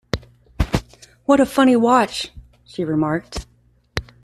‘What a funny watch!’ she remarked.